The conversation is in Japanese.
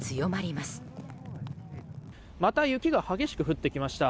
また雪が激しく降ってきました。